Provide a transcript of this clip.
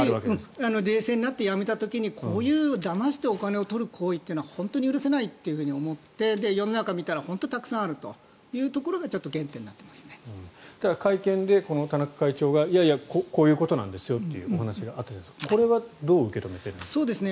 冷静になって、やめた時にこういうだましてお金を取る行為は本当に許せないと思って世の中を見たら本当にたくさんあるということがただ、会見で田中会長がいやいやこういうことなんですよというお話があったじゃないですか